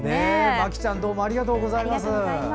まきちゃんどうもありがとうございます。